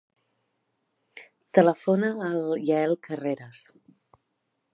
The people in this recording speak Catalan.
Telefona al Yael Carreras.